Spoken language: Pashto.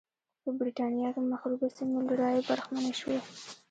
په برېټانیا کې مخروبه سیمې له رایو برخمنې شوې.